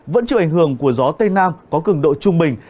vẫn chịu ảnh hưởng của gió tây nam có cường độ trung bình